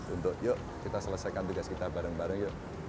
untuk yuk kita selesaikan tugas kita bareng bareng yuk